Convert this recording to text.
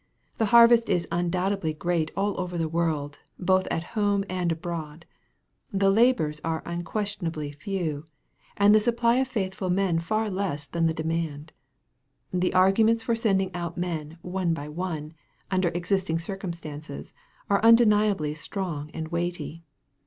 The harvest is undoubtedly great all over the world, both at home and abroad. The laborers are unquestionably few, and the supply of faithful men far less than the demand. The arguments for sending out men " one by one," under existing circumstances, are undeniably strong and weighty.